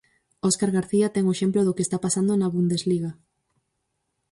Óscar García ten o exemplo do que está pasando na Bundesliga.